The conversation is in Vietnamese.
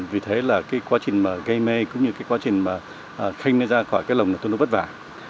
vì thế quá trình gây mê cũng như quá trình khenh ra khỏi cái lồng tương đối bất vả